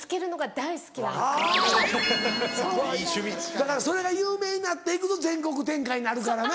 ・だからそれが有名になって行くと全国展開になるからな。